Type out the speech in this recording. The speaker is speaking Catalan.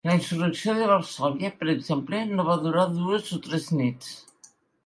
La insurrecció de Varsòvia, per exemple, no va durar dues o tres nits.